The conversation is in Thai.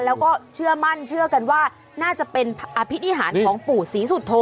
แล้วก็เชื่อมั่นเชื่อกันว่าน่าจะเป็นอภินิหารของปู่ศรีสุโธ